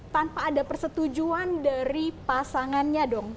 tanpa ada persetujuan dari pasangannya dong